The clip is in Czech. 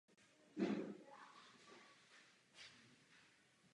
Tato vzácná památka je velmi špatně označena a chátrá.